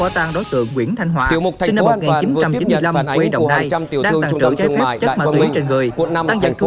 tại trung tâm thương mại đại quang minh